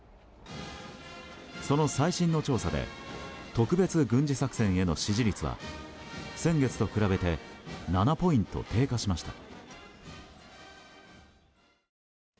その最新の調査で特別軍事作戦への支持率は先月と比べて７ポイント低下しました。